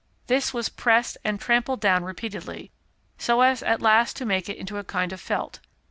This was pressed and trampled down repeatedly, so as at last to make it into a kind of felt.